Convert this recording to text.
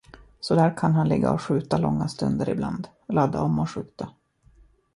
Så där kan han ligga och skjuta långa stunder ibland, ladda om och skjuta.